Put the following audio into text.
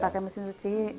pakai mesin cuci